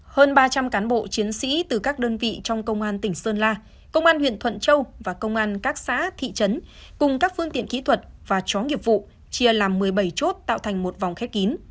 hơn ba trăm linh cán bộ chiến sĩ từ các đơn vị trong công an tỉnh sơn la công an huyện thuận châu và công an các xã thị trấn cùng các phương tiện kỹ thuật và chó nghiệp vụ chia làm một mươi bảy chốt tạo thành một vòng khép kín